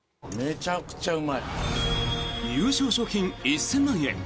優勝賞金１０００万円。